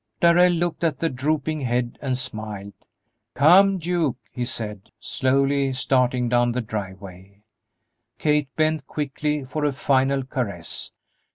Darrell looked at the drooping head and smiled. "Come, Duke," he said, slowly starting down the driveway. Kate bent quickly for a final caress.